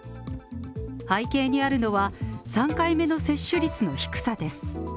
背景にあるのは３回目の接種率の低さです。